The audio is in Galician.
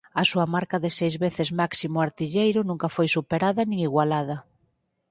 A súa marca de seis veces máximo artilleiro nunca foi superada nin igualada.